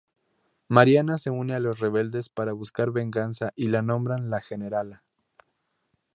Mariana se une a los rebeldes para buscar venganza y la nombran La Generala.